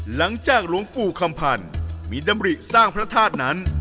หลังจากรวงปู่ข้ำพันมีดำบลิสร้างพระทาชนั้น